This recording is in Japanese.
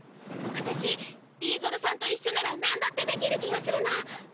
わたしリーゾロさんといっしょなら何だってできる気がするの。